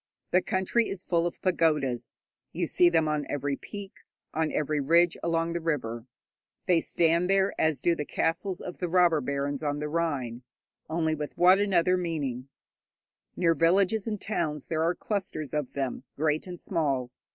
The country is full of pagodas; you see them on every peak, on every ridge along the river. They stand there as do the castles of the robber barons on the Rhine, only with what another meaning! Near villages and towns there are clusters of them, great and small.